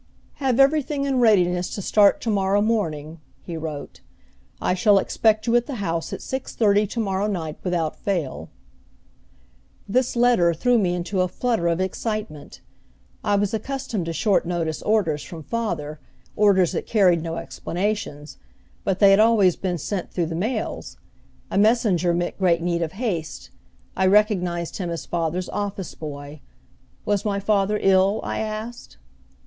"Have everything in readiness to start to morrow morning," he wrote. "I shall expect you at the house at six thirty to morrow night without fail." This letter threw me into a flutter of excitement. I was accustomed to short notice orders from father, orders that carried no explanations; but they had always been sent through the mails. A messenger meant great need of haste. I recognized him as father's office boy. Was my father ill, I asked.